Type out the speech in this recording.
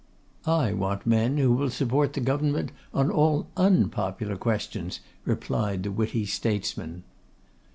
'I want men who will support the government on all unpopular questions,' replied the witty statesman.